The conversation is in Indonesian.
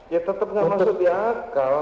ya tetap nggak masuk di akal